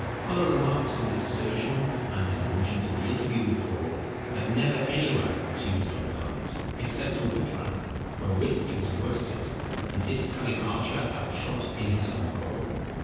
Fuller remarks on this assertion and in allusion to the interview with Hall, that "never any rack was used on Garnet, except a witrack, wherewith he was worsted, and this cunning archer outshot in his own bow.